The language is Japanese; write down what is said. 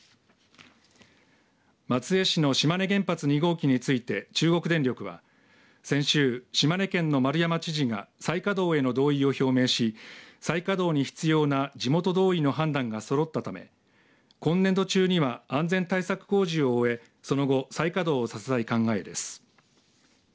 松江市の島根原発２号機について中国電力は先週、島根県の丸山知事が再稼働への同意を表明し再稼働に必要な地元同意の判断がそろったため今年度中には安全対策工事を終えその後、再稼働させたい考えです。